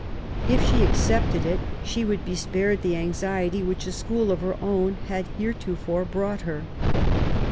If she accepted it, she would be spared the anxiety which a school of her own had heretofore brought her.